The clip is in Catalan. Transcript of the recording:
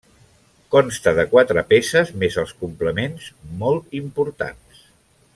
Consta de quatre peces més els complements, molt importants.